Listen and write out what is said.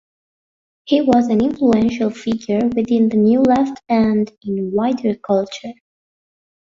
He was an influential figure within the New Left and in wider culture.